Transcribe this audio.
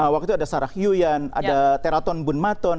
waktu itu ada sarah yuyan ada teraton bunmaton